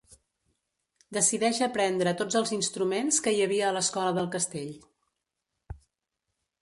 Decideix aprendre tots els instruments que hi havia a l'escola del Castell.